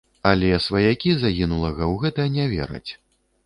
Але сваякі загінулага ў гэта не вераць.